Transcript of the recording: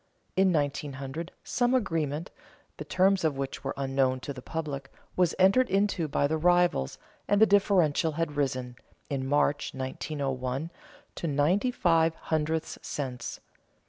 In 1900, some agreement, the terms of which were unknown to the public, was entered into by the rivals and the differential had risen, in March, 1901, to ninety five hundredths cents.